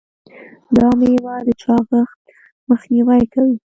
دا میوه د چاغښت مخنیوی کوي.